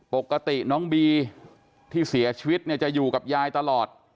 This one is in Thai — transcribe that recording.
ปกติน้องบีที่เสียชีวิตเนี่ยจะอยู่กับยายตลอด